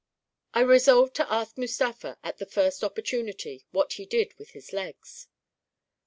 I resolved to ask Mustafa, at the first opportunity, what he did with his legs.